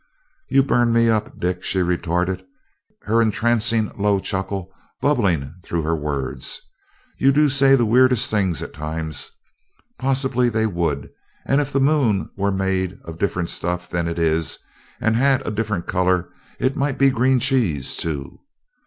"You burn me up, Dick!" she retorted, her entrancing low chuckle bubbling through her words. "You do say the weirdest things at times! Possibly they would and if the moon were made of different stuff than it is and had a different color, it might be green cheese, too!